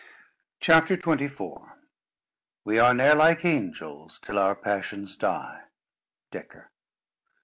CHAPTER XXIV "We are ne'er like angels till our passions die." DECKAR.